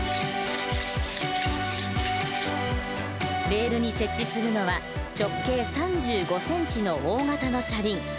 レールに設置するのは直径３５ｃｍの大型の車輪。